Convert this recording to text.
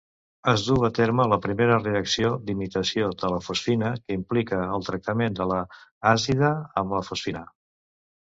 Es duu a terme la primera reacció d'imitació de la fosfina que implica el tractament de la azida amb la fosfina.